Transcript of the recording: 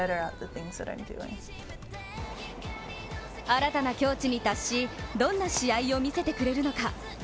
新たな境地に達し、どんな試合を見せてくれるのか？